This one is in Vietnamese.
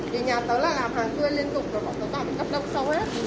vì nhà tớ là làm hàng thuyền liên tục bọn tớ bảo phải cấp đông sâu hết